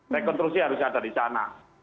rekonstruksi harus ada di sana